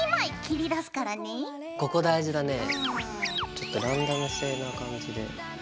ちょっとランダムな感じで。